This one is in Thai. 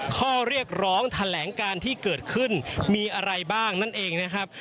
ข้อเรียกร้องแถลงการที่เกิดขึ้นมีอะไรบ้างนั่นเองนะครับ